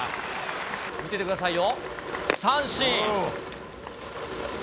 見ててくださいよ。